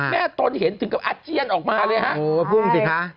แม่ตนเห็นถึงกับอาเจียนออกมาเลยครับ